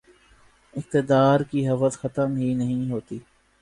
اقتدار کی ہوس ختم ہی نہیں ہوتی